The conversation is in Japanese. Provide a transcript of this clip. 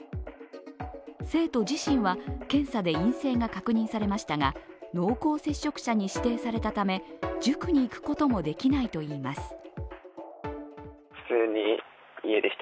生徒自身は検査で陰性が確認されましたが、濃厚接触者に指定されたため、塾に行くこともできないといいます。